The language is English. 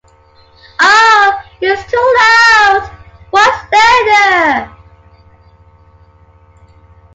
Ah! It’s too loud! What slander!